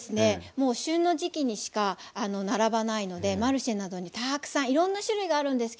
もう旬の時期にしか並ばないのでマルシェなどにたくさんいろんな種類があるんですけれども。